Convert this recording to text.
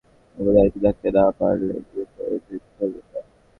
অপরাধীদের ধরতে না পরলে নিরাপরাধীদের ধরবেন না।